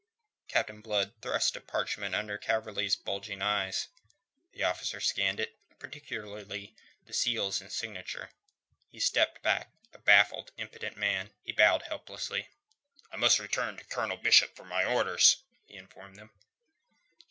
Captain Blood thrust a parchment under Calverley's bulging eyes. The officer scanned it, particularly the seals and signature. He stepped back, a baffled, impotent man. He bowed helplessly. "I must return to Colonel Bishop for my orders," he informed them.